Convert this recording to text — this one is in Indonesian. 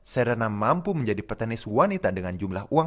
serena mampu menjadi petenis wanita dengan jumlah uang